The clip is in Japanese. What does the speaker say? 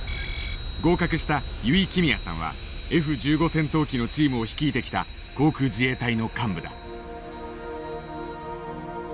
合格した油井亀美也さんはＦ１５戦闘機のチームを率いてきた航空自衛隊の幹部だ。